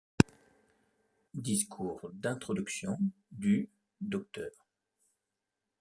Discours d’introduction du Dr.